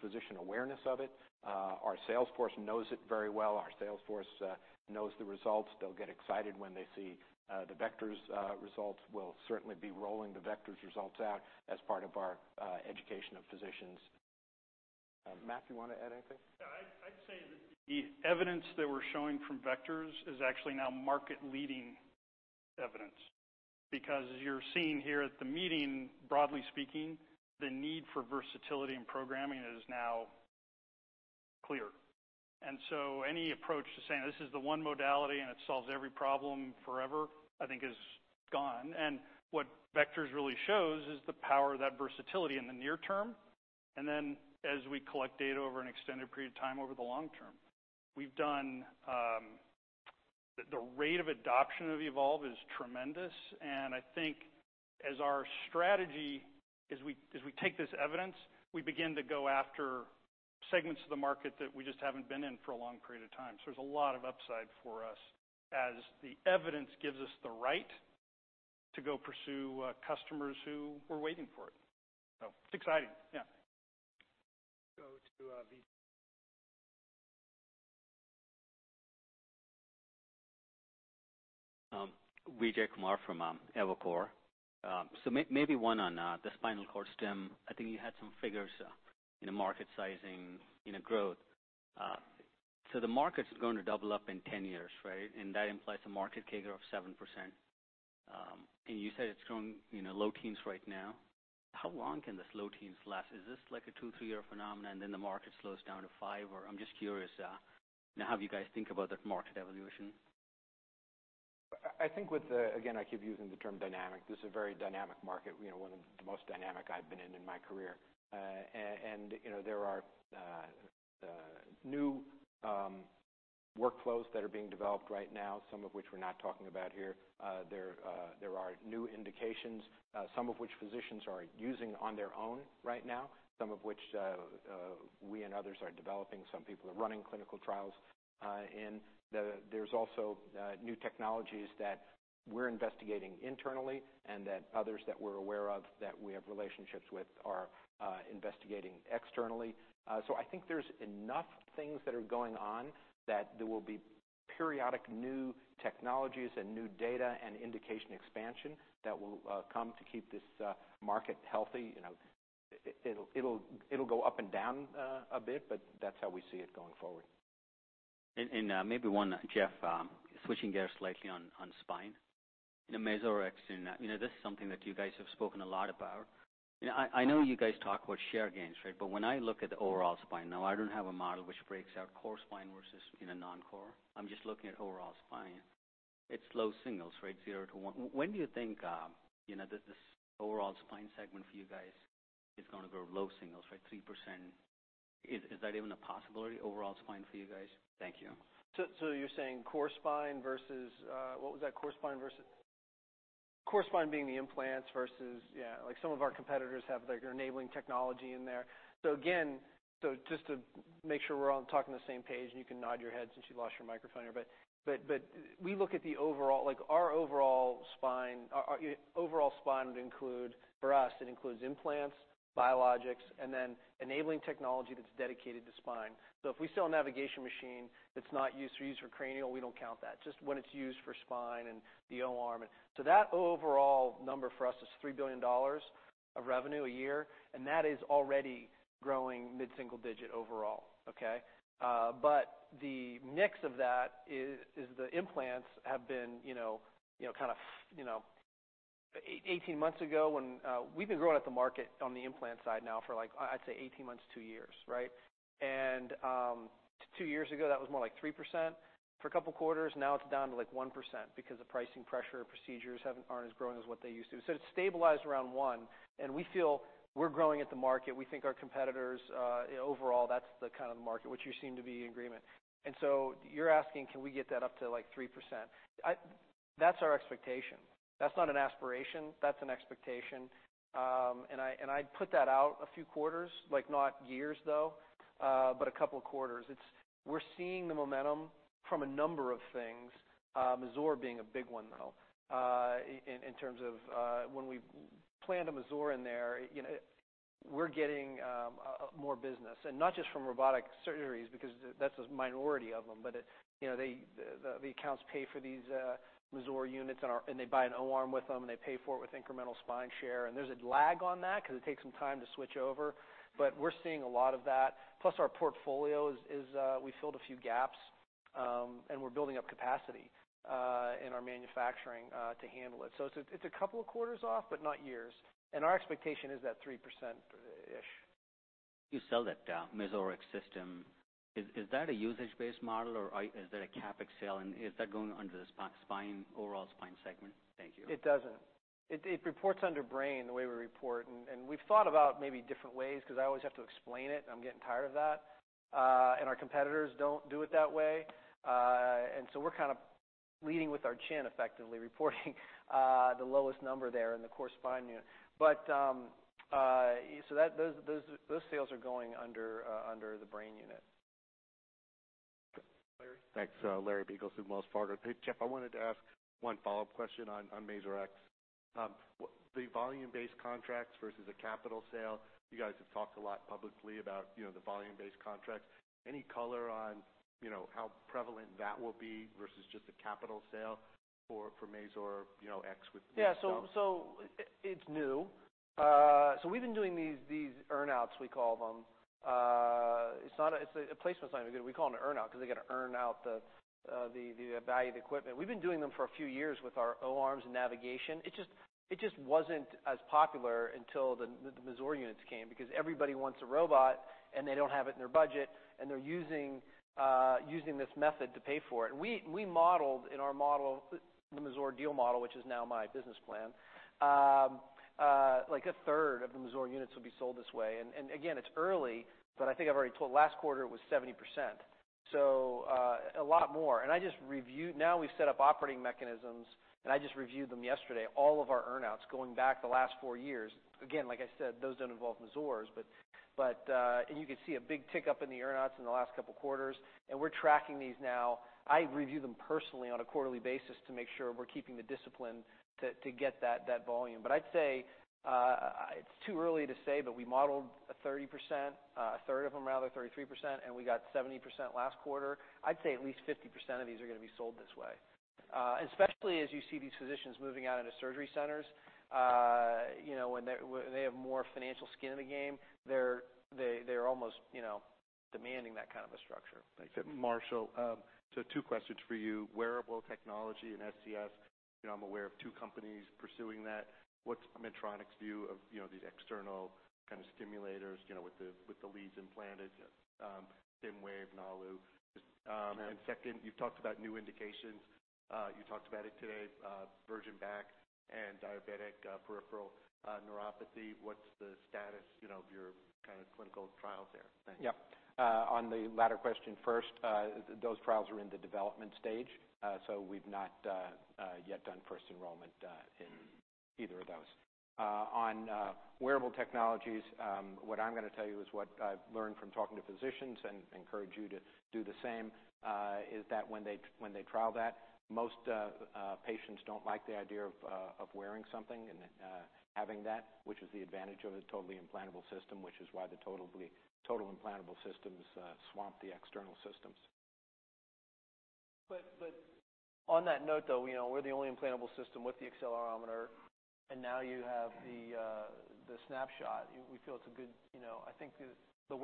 physician awareness of it. Our sales force knows it very well. Our sales force knows the results. They'll get excited when they see the VECTORS results. We'll certainly be rolling the VECTORS results out as part of our education of physicians. Matt, you want to add anything? Yeah, I'd say that the evidence that we're showing from VECTORS is actually now market-leading evidence because as you're seeing here at the meeting, broadly speaking, the need for versatility in programming is now clear. Any approach to saying, "This is the one modality, and it solves every problem forever," I think is gone. What VECTORS really shows is the power of that versatility in the near term, then as we collect data over an extended period of time over the long term. The rate of adoption of Evolve is tremendous, I think as our strategy, as we take this evidence, we begin to go after segments of the market that we just haven't been in for a long period of time. There's a lot of upside for us as the evidence gives us the right to go pursue customers who were waiting for it. It's exciting. Yeah. Go to Vijay. Vijay Kumar from Evercore. Maybe one on the spinal cord stim. I think you had some figures in the market sizing growth. The market's going to double up in 10 years, right? That implies a market CAGR of 7%. You said it's growing low teens right now. How long can this low teens last? Is this like a two, three-year phenomenon, then the market slows down to five? I'm just curious how you guys think about that market evolution. I think with the, again, I keep using the term dynamic. This is a very dynamic market, one of the most dynamic I've been in in my career. There are new workflows that are being developed right now, some of which we're not talking about here. There are new indications, some of which physicians are using on their own right now. Some of which we and others are developing. Some people are running clinical trials. There's also new technologies that we're investigating internally and that others that we're aware of, that we have relationships with, are investigating externally. I think there's enough things that are going on that there will be periodic new technologies and new data and indication expansion that will come to keep this market healthy. It'll go up and down a bit, but that's how we see it going forward. Maybe one, Geoff, switching gears slightly on spine. Mazor X, this is something that you guys have spoken a lot about. I know you guys talk about share gains, right? When I look at the overall spine now, I don't have a model which breaks out core spine versus non-core. I'm just looking at overall spine. It's low singles, right? Zero to one. When do you think this overall spine segment for you guys is going to grow low singles, right, 3%? Is that even a possibility overall spine for you guys? Thank you. You're saying core spine versus What was that? Core spine versus Core spine being the implants versus, yeah. Like some of our competitors have their enabling technology in there. Again, just to make sure we're all talking the same page, and you can nod your head since you lost your microphone here, we look at the overall, like our overall spine would include for us, it includes implants, biologics, and then enabling technology that's dedicated to spine. If we sell a navigation machine that's not used for cranial, we don't count that. Just when it's used for spine and the O-arm. That overall number for us is $3 billion of revenue a year, and that is already growing mid-single digit overall. Okay? The mix of that is the implants have been kind of 18 months ago when We've been growing at the market on the implant side now for I'd say 18 months to two years, right? Two years ago, that was more like 3% for a couple of quarters. Now it's down to 1% because the pricing pressure procedures aren't as growing as what they used to. It's stabilized around one, and we feel we're growing at the market. We think our competitors, overall, that's the kind of the market, which you seem to be in agreement. You're asking, can we get that up to 3%? That's our expectation. That's not an aspiration, that's an expectation. I'd put that out a few quarters, not years, though, but a couple of quarters. We're seeing the momentum from a number of things, Mazor being a big one, though, in terms of when we plant a Mazor in there, we're getting more business. Not just from robotic surgeries, because that's a minority of them, but the accounts pay for these Mazor units and they buy an O-arm with them, and they pay for it with incremental spine share. There's a lag on that because it takes some time to switch over, but we're seeing a lot of that. Plus our portfolio is we filled a few gaps, and we're building up capacity in our manufacturing to handle it. It's a couple of quarters off, but not years. Our expectation is that 3%-ish. You sell that Mazor X system. Is that a usage-based model, or is that a CapEx sale, is that going under the overall spine segment? Thank you. It doesn't. It reports under brain, the way we report. We've thought about maybe different ways because I always have to explain it and I'm getting tired of that. Our competitors don't do it that way. We're kind of leading with our chin, effectively, reporting the lowest number there in the core spine unit. Those sales are going under the brain unit. Larry. Thanks. Larry Biegelsen, Wells Fargo. Hey, Geoff, I wanted to ask one follow-up question on Mazor X. The volume-based contracts versus a capital sale. You guys have talked a lot publicly about the volume-based contracts. Any color on how prevalent that will be versus just a capital sale for Mazor X. Yeah. It's new. We've been doing these earn-outs, we call them. It's not a placement sale. We call it an earn-out because they've got to earn out the value of the equipment. We've been doing them for a few years with our O-arms and navigation. It just wasn't as popular until the Mazor units came, because everybody wants a robot, and they don't have it in their budget, and they're using this method to pay for it. We modeled in our model, the Mazor deal model, which is now my business plan, like a third of the Mazor units will be sold this way. Again, it's early, but I think I've already told last quarter it was 70%. A lot more. Now we've set up operating mechanisms, and I just reviewed them yesterday, all of our earn-outs going back the last four years. Again, like I said, those don't involve Mazors, and you could see a big tick up in the earn-outs in the last couple of quarters. We're tracking these now. I review them personally on a quarterly basis to make sure we're keeping the discipline to get that volume. I'd say it's too early to say, but we modeled a 30%, a third of them, rather 33%, and we got 70% last quarter. I'd say at least 50% of these are going to be sold this way. Especially as you see these physicians moving out into surgery centers, when they have more financial skin in the game, they're almost demanding that kind of a structure. Thanks. Marshall, two questions for you. Wearable technology and SCS. I'm aware of two companies pursuing that. What's Medtronic's view of these external kind of stimulators with the leads implanted, Stimwave, Nalu? Yeah. Second, you've talked about new indications. You talked about it today, virgin back and diabetic peripheral neuropathy. What's the status of your kind of clinical trials there? Thanks. Yeah. On the latter question first, those trials are in the development stage. We've not yet done first enrollment in either of those. On wearable technologies, what I'm going to tell you is what I've learned from talking to physicians and encourage you to do the same, is that when they trial that, most patients don't like the idea of wearing something and having that, which is the advantage of a totally implantable system, which is why the total implantable systems swamp the external systems. On that note, though, we're the only implantable system with the accelerometer, and now you have the Snapshot. Oh, he's talking about. No,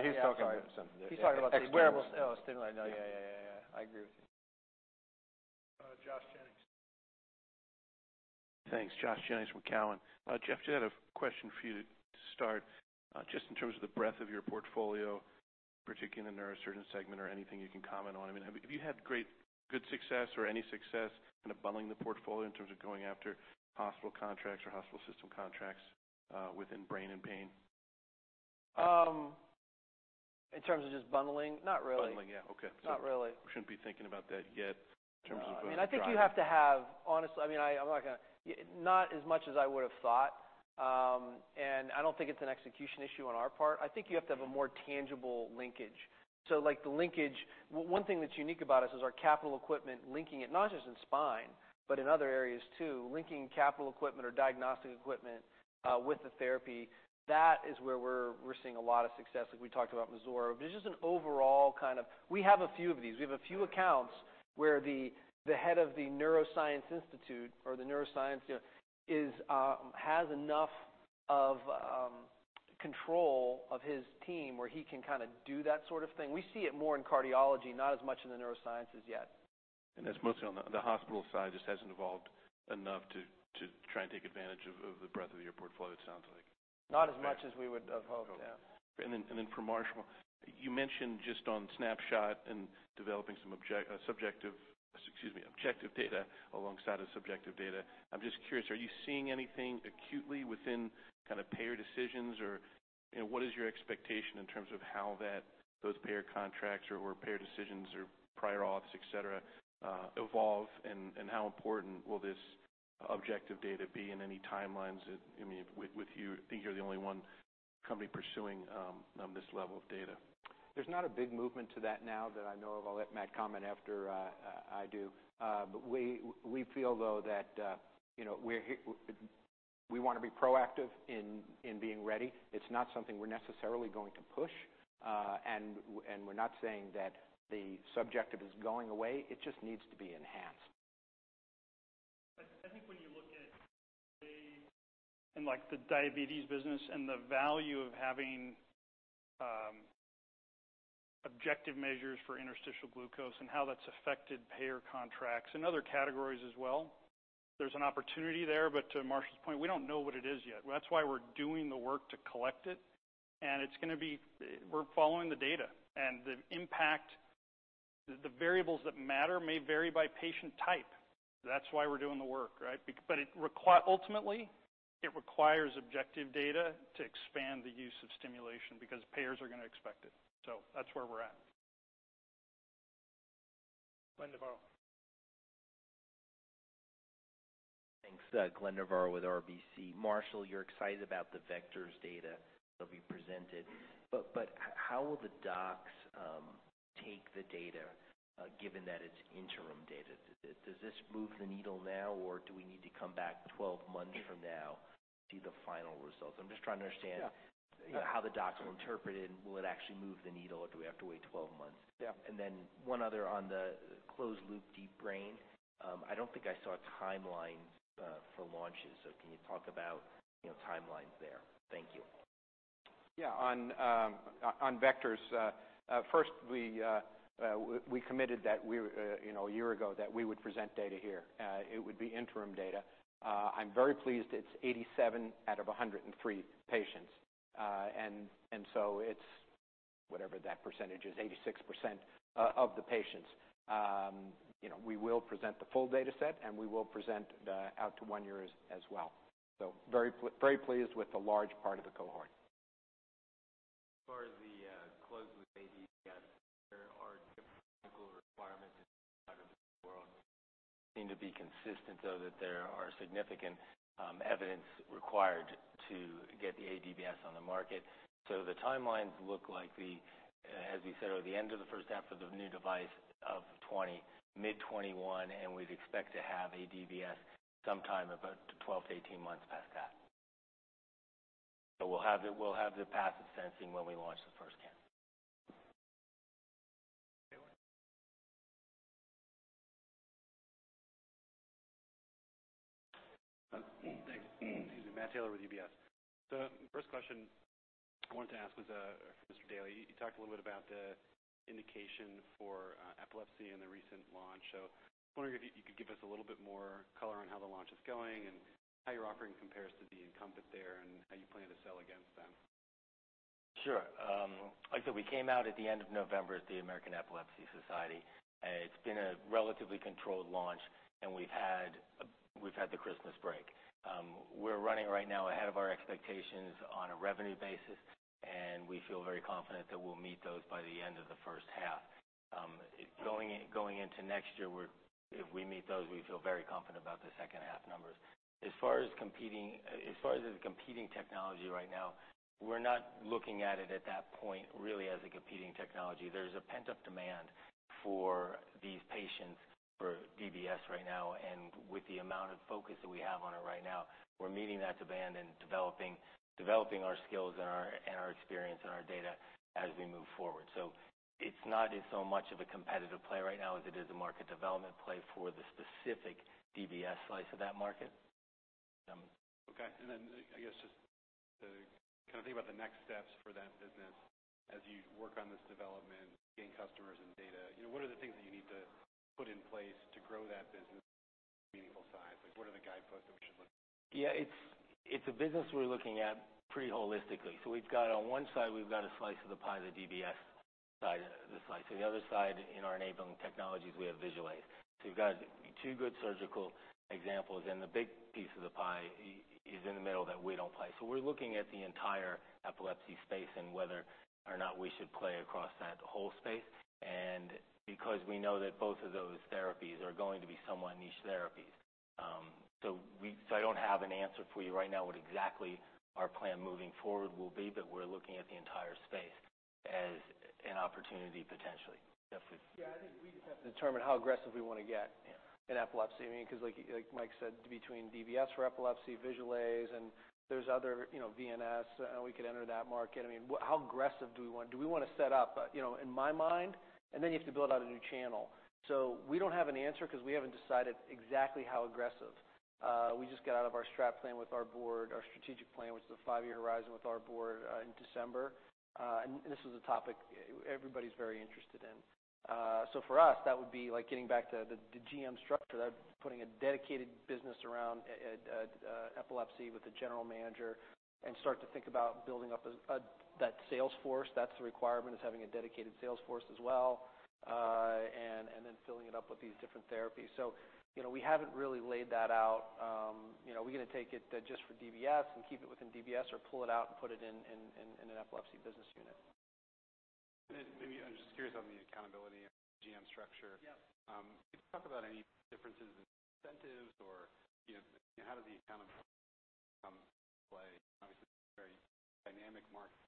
he's talking about something different. He's talking about the. External wearables. Oh, a stimulator. No, yeah. I agree with you. Josh Jennings. Thanks. Josh Jennings from Cowen. Geoff, just had a question for you to start. Just in terms of the breadth of your portfolio, particularly in the neurosurgeon segment or anything you can comment on. Have you had good success or any success kind of bundling the portfolio in terms of going after hospital contracts or hospital system contracts within brain and pain? In terms of just bundling? Not really. Bundling, yeah. Okay. Not really. We shouldn't be thinking about that yet in terms of. I think you have to have, honestly, not as much as I would've thought. I don't think it's an execution issue on our part. I think you have to have a more tangible linkage. Like the linkage, one thing that's unique about us is our capital equipment linking it, not just in spine, but in other areas too, linking capital equipment or diagnostic equipment with the therapy. That is where we're seeing a lot of success, like we talked about Mazor. We have a few of these. We have a few accounts where the head of the Neuroscience Institute or the neuroscience has enough of. control of his team where he can do that sort of thing. We see it more in cardiology, not as much in the neurosciences yet. That's mostly on the hospital side, just hasn't evolved enough to try and take advantage of the breadth of your portfolio, it sounds like. Not as much as we would have hoped. Yeah. Then for Marshall, you mentioned just on Snapshot and developing some objective data alongside of subjective data. I'm just curious, are you seeing anything acutely within payer decisions? What is your expectation in terms of how those payer contracts or payer decisions or prior auths, et cetera, evolve, and how important will this objective data be in any timelines with you? I think you're the only one company pursuing this level of data. There's not a big movement to that now that I know of. I'll let Matt comment after I do. We feel though that we want to be proactive in being ready. It's not something we're necessarily going to push, and we're not saying that the subjective is going away. It just needs to be enhanced. I think when you look at the diabetes business and the value of having objective measures for interstitial glucose and how that's affected payer contracts and other categories as well, there's an opportunity there. To Marshall Stanton's point, we don't know what it is yet. That's why we're doing the work to collect it, and we're following the data and the impact. The variables that matter may vary by patient type. That's why we're doing the work, right? Ultimately, it requires objective data to expand the use of stimulation because payers are going to expect it. That's where we're at. Glenn Novarro. Thanks. Glenn Novarro with RBC. Marshall Stanton, you're excited about the VECTORS data that'll be presented, but how will the docs take the data, given that it's interim data? Does this move the needle now, or do we need to come back 12 months from now to see the final results? I'm just trying to understand. Yeah how the docs will interpret it, will it actually move the needle, or do we have to wait 12 months? Yeah. one other on the closed loop deep brain. I don't think I saw timelines for launches. Can you talk about timelines there? Thank you. Yeah. On VECTORS, first, we committed a year ago that we would present data here. It would be interim data. I'm very pleased it's 87 out of 103 patients, and so it's whatever that percentage is, 86% of the patients. We will present the full data set, and we will present out to one year as well. Very pleased with the large part of the cohort. As far as the closed loop aDBS, there are different technical requirements around the world. Seem to be consistent, though, that there are significant evidence required to get the aDBS on the market. The timelines look like the, as you said, or the end of the first half of the new device of 2020, mid 2021, and we'd expect to have aDBS sometime about 12-18 months past that. We'll have the passive sensing when we launch the first cohort. Taylor? Thanks. Excuse me. Matt Taylor with UBS. The first question I wanted to ask was for Mr. Daly. You talked a little bit about the indication for epilepsy and the recent launch. I was wondering if you could give us a little bit more color on how the launch is going and how your offering compares to the incumbent there, and how you plan to sell against them. Sure. Like I said, we came out at the end of November at the American Epilepsy Society. It's been a relatively controlled launch, and we've had the Christmas break. We're running right now ahead of our expectations on a revenue basis, and we feel very confident that we'll meet those by the end of the first half. Going into next year, if we meet those, we feel very confident about the second half numbers. As far as the competing technology right now, we're not looking at it at that point really as a competing technology. There's a pent-up demand for these patients for DBS right now. With the amount of focus that we have on it right now, we're meeting that demand and developing our skills and our experience and our data as we move forward. It's not in so much of a competitive play right now as it is a market development play for the specific DBS slice of that market. Okay. I guess just to think about the next steps for that business as you work on this development, gain customers and data, what are the things that you need to put in place to grow that business to a meaningful size? What are the guideposts that we should look for? Yeah. It's a business we're looking at pretty holistically. We've got on one side, we've got a slice of the pie, the DBS side of the slice. On the other side, in our enabling technologies, we have Visualase. You've got two good surgical examples, and the big piece of the pie is in the middle that we don't play. We're looking at the entire epilepsy space and whether or not we should play across that whole space. Because we know that both of those therapies are going to be somewhat niche therapies. I don't have an answer for you right now what exactly our plan moving forward will be, but we're looking at the entire space as an opportunity potentially. Yeah, I think we just have to determine how aggressive we want to get- Yeah in epilepsy. Like Mike said, between DBS for epilepsy, Visualase, and there's other VNS, and we could enter that market. How aggressive do we want to set up? In my mind, and then you have to build out a new channel. We don't have an answer because we haven't decided exactly how aggressive. We just got out of our strat plan with our board, our strategic plan, which is a five-year horizon with our board, in December. This was a topic everybody's very interested in. For us, that would be like getting back to the GM structure, that would be putting a dedicated business around epilepsy with a general manager and start to think about building up that sales force. That's the requirement, is having a dedicated sales force as well, and then filling it up with these different therapies. We haven't really laid that out. Are we going to take it just for DBS and keep it within DBS or pull it out and put it in an epilepsy business unit? Maybe, I am just curious on the accountability and GM structure. Yeah. Can you talk about any differences in incentives or how does the accountability come into play? Obviously, this is a very dynamic market, so how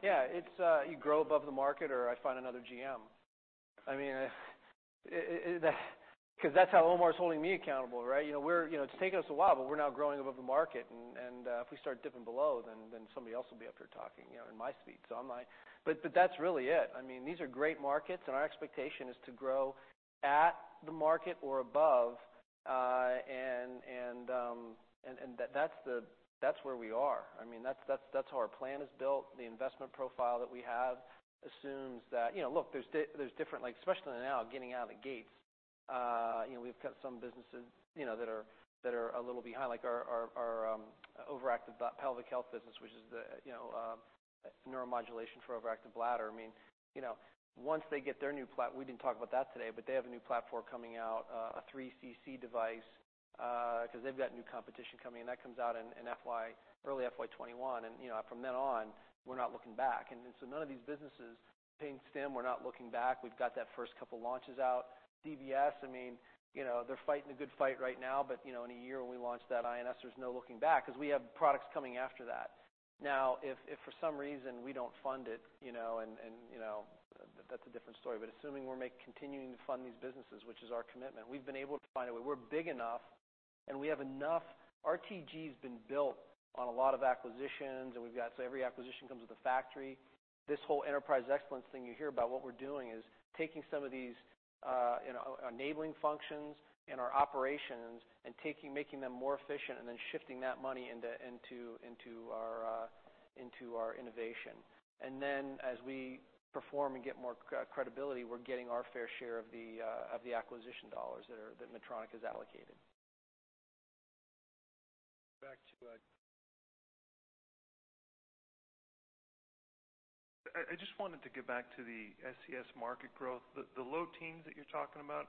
do you- Yeah. You grow above the market or I find another GM. That is how Omar is holding me accountable, right? It has taken us a while, but we are now growing above the market, and if we start dipping below, then somebody else will be up here talking in my seat. That is really it. These are great markets, and our expectation is to grow at the market or above, and that is where we are. That is how our plan is built. The investment profile that we have assumes that. Look, there is different, especially now, getting out of the gates. We have got some businesses that are a little behind, like our overactive pelvic health business, which is the neuromodulation for overactive bladder. Once they get their new We did not talk about that today, but they have a new platform coming out, a 3cc device, because they have got new competition coming in. That comes out in early FY 2021, and from then on, we are not looking back. None of these businesses, pain stim, we are not looking back. We have got that first couple launches out. DBS, they are fighting the good fight right now, but in a year when we launch that INS, there is no looking back because we have products coming after that. Now, if for some reason we do not fund it, that is a different story. Assuming we are continuing to fund these businesses, which is our commitment, we have been able to find a way. We are big enough and we have enough Our TG has been built on a lot of acquisitions, every acquisition comes with a factory. This whole enterprise excellence thing you hear about, what we're doing is taking some of these enabling functions in our operations and making them more efficient and then shifting that money into our innovation. As we perform and get more credibility, we're getting our fair share of the acquisition dollars that Medtronic has allocated. I just wanted to get back to the SCS market growth. The low teens that you're talking about,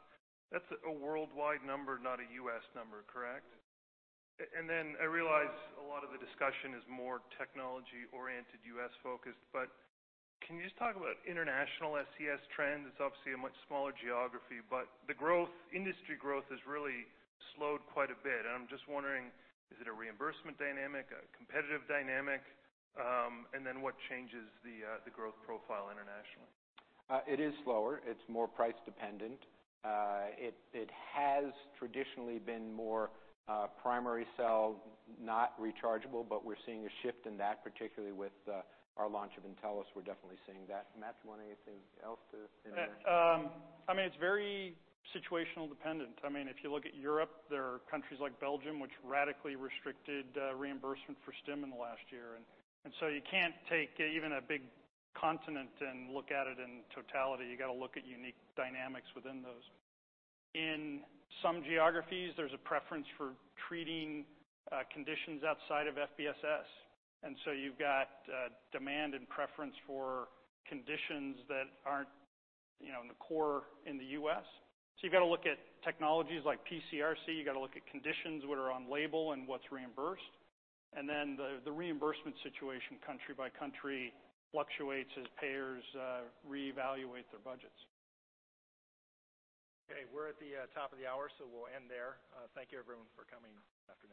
that's a worldwide number, not a U.S. number, correct? Yeah. I realize a lot of the discussion is more technology oriented, U.S. focused, but can you just talk about international SCS trends? It's obviously a much smaller geography, but the industry growth has really slowed quite a bit, and I'm just wondering, is it a reimbursement dynamic, a competitive dynamic? What changes the growth profile internationally? It is slower. It's more price dependent. It has traditionally been more primary cell, not rechargeable, but we're seeing a shift in that, particularly with our launch of Intellis. We're definitely seeing that. It's very situational dependent. If you look at Europe, there are countries like Belgium, which radically restricted reimbursement for stim in the last year. You can't take even a big continent and look at it in totality. You've got to look at unique dynamics within those. In some geographies, there's a preference for treating conditions outside of FBSS, you've got demand and preference for conditions that aren't in the core in the U.S. You've got to look at technologies like PCRC, you've got to look at conditions, what are on label and what's reimbursed. The reimbursement situation country by country fluctuates as payers reevaluate their budgets. Okay. We're at the top of the hour, we'll end there. Thank you everyone for coming this afternoon.